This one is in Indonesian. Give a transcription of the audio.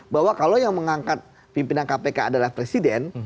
bahwa kalau yang mengangkat pimpinan kpk adalah presiden